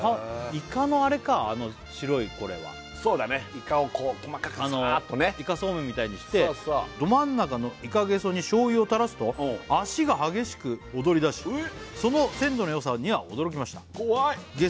いかのあれかあ白いこれはそうだねいかを細かくサーッとねいかそうめんみたいにしてど真ん中のいかげそに醤油を垂らすと足が激しく踊りだしその鮮度のよさには驚きました怖い！